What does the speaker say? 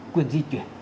quyền di chuyển